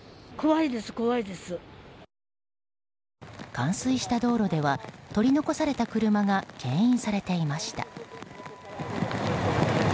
冠水した道路では取り残された車が牽引されていました。